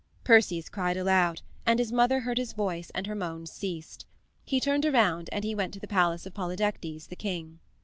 Perseus cried aloud, and his mother heard his voice and her moans ceased. He turned around and he went to the palace of Polydectes, the king.